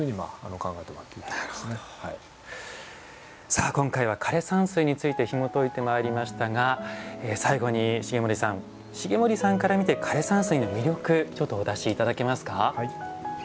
さあ今回は「枯山水」についてひもといてまいりましたが最後に重森さん重森さんから見て枯山水の魅力ちょっとお出し頂けますか。